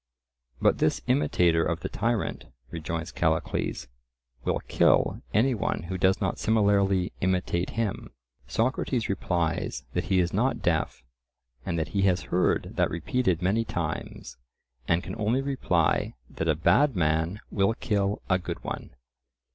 "But this imitator of the tyrant," rejoins Callicles, "will kill any one who does not similarly imitate him." Socrates replies that he is not deaf, and that he has heard that repeated many times, and can only reply, that a bad man will kill a good one.